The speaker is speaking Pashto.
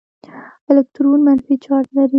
الکترون منفي چارج لري.